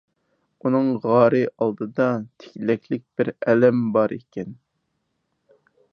ئۇنىڭ غارى ئالدىدا تىكلەكلىك بىر ئەلەم بار ئىكەن.